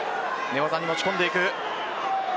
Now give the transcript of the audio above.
寝技に持ち込んでいく。